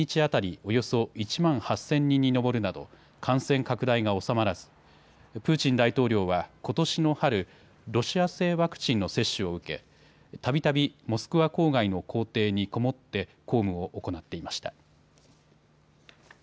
およそ１万８０００人に上るなど感染拡大が収まらずプーチン大統領はことしの春、ロシア製ワクチンの接種を受けたびたびモスクワ郊外の公邸にこもって公務を行っていました。